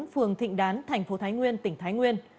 phường thịnh đán thành phố thái nguyên tỉnh thái nguyên